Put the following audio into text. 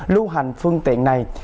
lưu hành phương tiện này